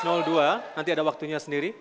nanti ada waktunya sendiri